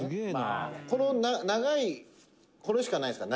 「この長いこれしかないんですか？」